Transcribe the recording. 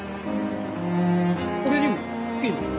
俺にも？いいの？